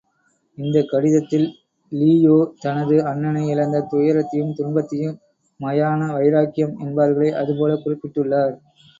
இந்தக் கடிதத்தில் லீயோ, தனது அண்ணனை இழந்த துயரத்தையும், துன்பத்தையும், மயான வைராக்கியம் என்பார்களே அதுபோல குறிப்பிட்டுள்ளார்.